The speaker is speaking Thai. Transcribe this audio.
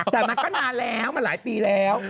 แต่มันก็นานแล้วมันหลายปีแล้ว